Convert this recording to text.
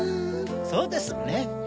そうですね。